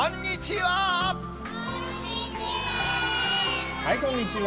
はい、こんにちは。